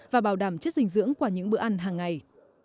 và bảo đảm chất dinh dưỡng qua những bữa ăn hàng ngày